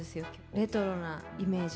レトロなイメージを。